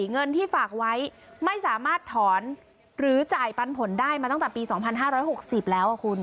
เงินที่ฝากไว้ไม่สามารถถอนหรือจ่ายปันผลได้มาตั้งแต่ปีสองพันห้าร้อยหกสิบแล้วอ่ะคุณ